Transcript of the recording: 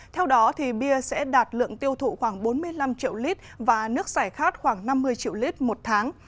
theo đó bia sẽ đạt lượng tiêu thụ khoảng bốn mươi năm triệu lít và nước giải khát khoảng năm mươi triệu lít một tháng